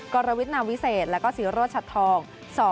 กรวิทนามวิเศษแล้วก็ศรีโรชัดทอง